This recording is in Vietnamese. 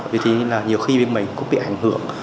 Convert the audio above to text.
vì thế là nhiều khi bên mình cũng bị ảnh hưởng